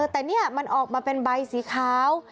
แต่นี่มันออกมาเป็นใบสีขาว